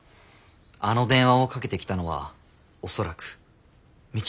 あの電話をかけてきたのは恐らく幹久先生です。